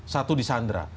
satu di sandra